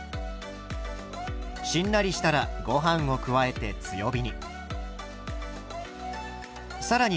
しんなりしたらご飯を加えて強火に。